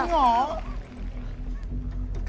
จริงหรอ